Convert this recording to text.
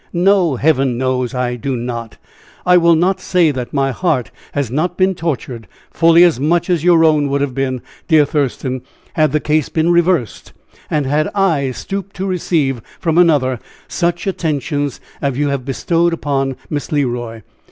"No! Heaven knows that I do not! I will not say that my heart has not been tortured fully as much as your own would have been, dear Thurston, had the case been reversed, and had I stooped to receive from another such attentions as you have bestowed upon Miss Le Roy.